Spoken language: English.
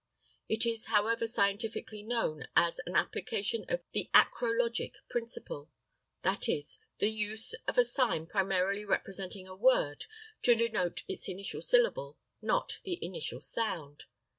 It is however scientifically known as an application of the acrologic principle; viz: the use of a sign primarily representing a word to denote its initial syllable, or the initial sound.